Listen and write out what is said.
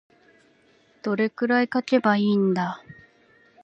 どれくらい書けばいいんだ。